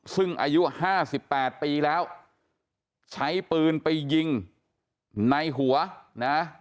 ซึ่งอายุ๕๘ปีแล้วใช้ปืนไปยิงในหัวนะ